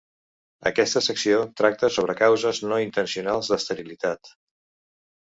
Aquesta secció tracta sobre causes no intencionals d'esterilitat.